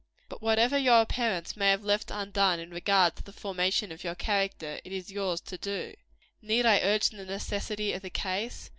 But whatever your parents may have left undone in regard to the formation of your character, it is yours to do. Need I urge the necessity of the case?